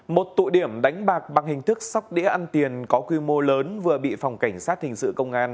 một tụ điểm đánh bạc bằng hình thức sóc đĩa ăn tiền có quy mô lớn vừa bị phòng cảnh sát hình sự công an